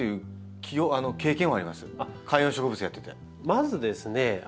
まずですね